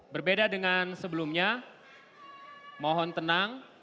berbeda dengan sebelumnya mohon tenang